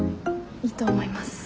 いいと思います。